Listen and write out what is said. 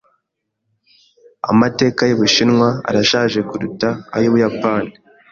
Amateka y'Ubushinwa arashaje kuruta ay'Ubuyapani. .